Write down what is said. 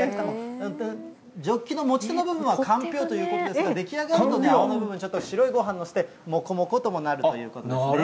ジョッキの持ち手の部分はかんぴょうということですが、出来上がると、白いご飯として、もこもこともなるということですね。